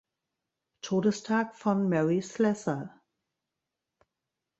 Todestag von Mary Slessor.